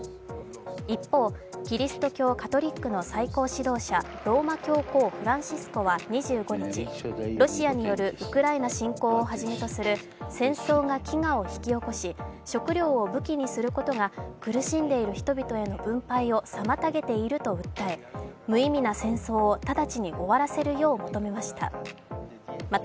一方、キリスト教カトリックの最高指導者、ローマ教皇フランシスコは２５日、ロシアによるウクライナ侵攻をはじめとする戦争が飢餓を引き起し食料を武器にすることが苦しんでいる人々への分配を妨げていると訴え無意味な戦争を直ちに終わらせるよう求めました。